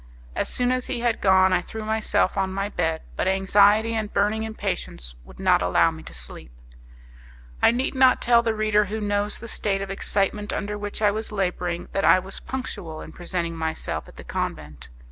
As soon as he had gone I threw myself on my bed, but anxiety and burning impatience would not allow me to sleep. I need not tell the reader who knows the state of excitement under which I was labouring, that I was punctual in presenting myself at the convent.